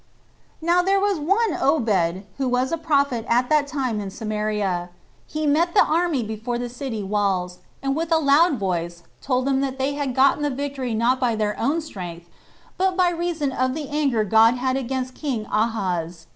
2. Now there was one Obed, who was a prophet at that time in Samaria; he met the army before the city walls, and with a loud voice told them that they had gotten the victory not by their own strength, but by reason of the anger God had against king Ahaz.